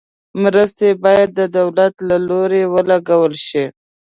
مرستې باید د دولت له لوري ولګول شي.